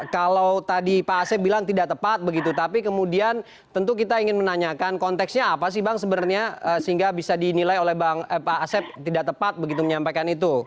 kalau tadi pak asep bilang tidak tepat begitu tapi kemudian tentu kita ingin menanyakan konteksnya apa sih bang sebenarnya sehingga bisa dinilai oleh pak asep tidak tepat begitu menyampaikan itu